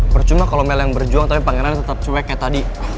percuma kalo mel yang berjuang tapi pangeran tetep cuek kayak tadi